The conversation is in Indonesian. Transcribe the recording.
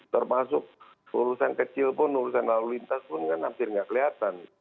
termasuk urusan kecil pun urusan lalu lintas pun kan hampir nggak kelihatan